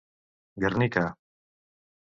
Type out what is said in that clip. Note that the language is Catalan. Guernica.